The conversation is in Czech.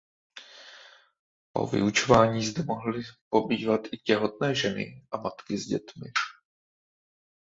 Po vyučování zde mohly pobývat i těhotné ženy a matky s dětmi.